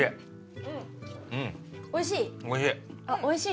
おいしい？